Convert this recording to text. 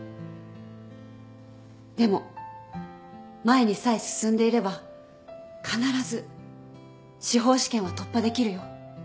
でも前にさえ進んでいれば必ず司法試験は突破できるよ。